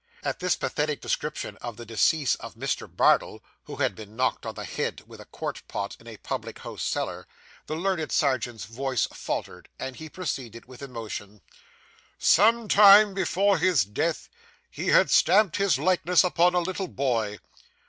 At this pathetic description of the decease of Mr. Bardell, who had been knocked on the head with a quart pot in a public house cellar, the learned serjeant's voice faltered, and he proceeded, with emotion 'Some time before his death, he had stamped his likeness upon a little boy.